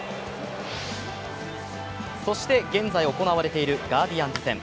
そして現在、行われているガーディアンズ戦。